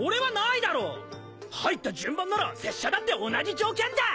入った順番なら拙者だって同じ条件だ！